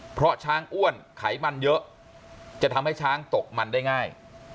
เพราะช้างอ้วนไขมันเยอะจะทำให้ช้างตกมันได้ง่าย